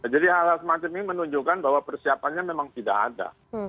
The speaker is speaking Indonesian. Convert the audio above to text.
jadi hal semacam ini menunjukkan bahwa persiapannya memang tidak ada